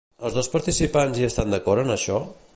Els dos participants hi estan d'acord en això?